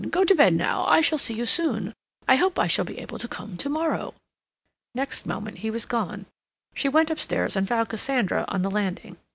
Go to bed now. I shall see you soon. I hope I shall be able to come to morrow." Next moment he was gone. She went upstairs and found Cassandra on the landing.